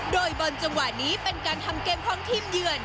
โดยบนจังหวะนี้เป็นการทำเกมของทีมเยือน